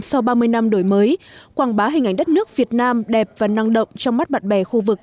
sau ba mươi năm đổi mới quảng bá hình ảnh đất nước việt nam đẹp và năng động trong mắt bạn bè khu vực